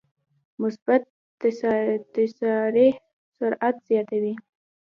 مثبت تسارع سرعت زیاتوي.